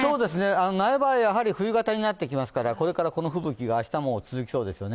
苗場、やはり冬型になってきますからこれからこの吹雪が明日も続きそうですね。